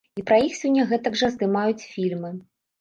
І пра іх сёння гэтак жа здымаюць фільмы.